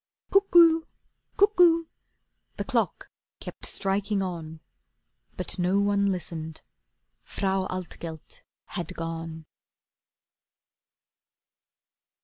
"Cuckoo! Cuckoo!" the clock kept striking on; But no one listened. Frau Altgelt had gone.